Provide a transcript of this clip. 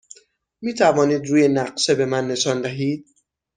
می توانید روی نقشه به من نشان دهید؟